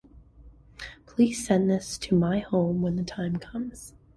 Please send this to my home when the time comes.